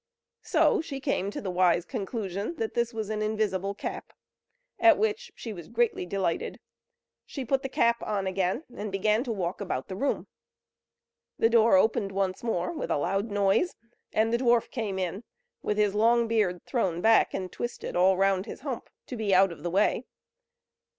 So she came to the wise conclusion that this was an invisible cap; at which she was highly delighted; she put on the cap again, and began to walk about the room. The door opened once more with a loud noise, and the dwarf came in with his long beard thrown back and twisted all round his hump, to be out of the way.